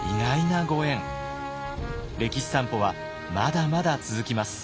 歴史散歩はまだまだ続きます。